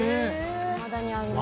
いまだにあります。